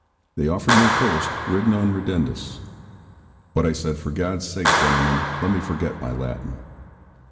They offered me first, 'Ridd non ridendus'; but I said, 'for God's sake, gentlemen, let me forget my Latin.'